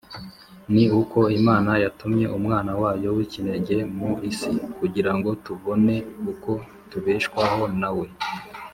ni uko Imana yatumye Umwana wayo w’ikinege mu isi, kugira ngo tubone uko tubeshwaho na we.